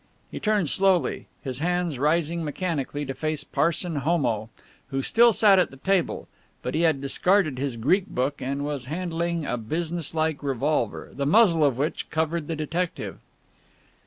He turned slowly, his hands rising mechanically to face Parson Homo, who still sat at the table, but he had discarded his Greek book and was handling a business like revolver, the muzzle of which covered the detective.